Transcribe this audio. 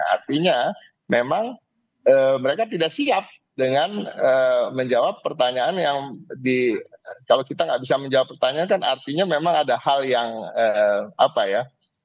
artinya memang mereka tidak siap dengan menjawab pertanyaan yang di kalau kita nggak bisa menjawab pertanyaan kan artinya memang ada hal yang apa ya